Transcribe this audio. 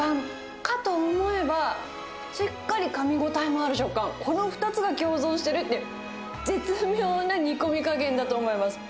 かと思えば、しっかりかみ応えもある食感、この２つが共存してるって、絶妙な煮込み加減だと思います。